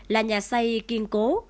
là nhà xây kiên cố